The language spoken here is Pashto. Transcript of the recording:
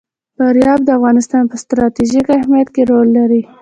فاریاب د افغانستان په ستراتیژیک اهمیت کې رول لري.